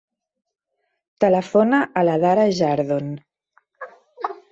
Telefona a l'Adhara Jardon.